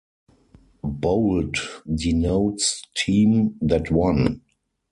Bold denotes team that won.